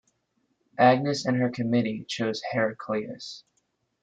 Agnes and her committee chose Heraclius.